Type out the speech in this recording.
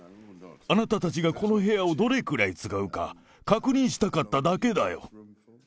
あなたたちがこの部屋をどれくらい使うか、確認したかっただけだよ。